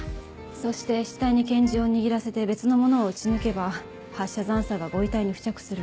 そして死体に拳銃を握らせて別のものを撃ち抜けば発射残渣がご遺体に付着する。